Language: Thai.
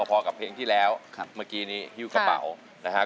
พอกับเพลงที่แล้วเมื่อกี้นี้ฮิ้วกระเป๋านะครับ